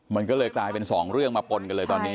มันก็เลยกลายเป็นสองเรื่องมาปนกันเลยตอนนี้